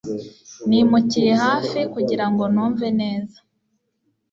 Nimukiye hafi kugirango numve neza